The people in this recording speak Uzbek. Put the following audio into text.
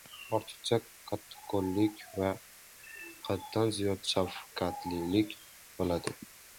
Ortiqcha qattiqqo‘llik va haddan ziyoda shafqatlilik bo‘ladi: